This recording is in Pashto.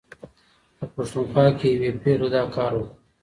په پښتونخوا کې یوې پېغلې دا کار وکړ.